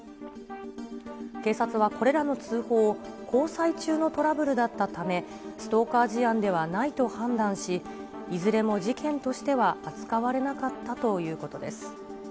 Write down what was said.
警察はこれらの通報を、交際中のトラブルだったため、ストーカー事案ではないと判断し、いずれも事件としては扱われなかったということです。